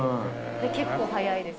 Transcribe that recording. で結構早いです。